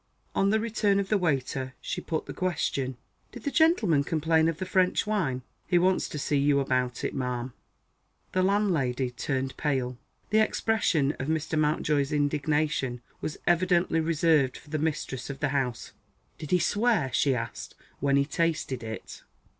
On the return of the waiter, she put the question: "Did the gentleman complain of the French wine?" "He wants to see you about it, ma'am." The landlady turned pale. The expression of Mr. Mountjoy's indignation was evidently reserved for the mistress of the house. "Did he swear," she asked, "when he tasted it?"